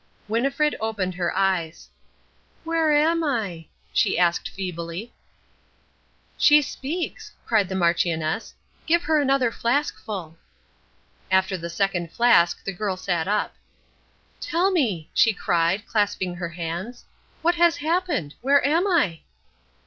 Winnifred opened her eyes. "Where am I?" she asked feebly. "She speaks!" cried the Marchioness. "Give her another flaskful." After the second flask the girl sat up. "Tell me," she cried, clasping her hands, "what has happened? Where am I?"